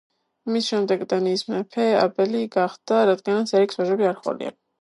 მის შემდეგ დანიის მეფე აბელი გახდა, რადგანაც ერიკს ვაჟები არ ჰყოლია.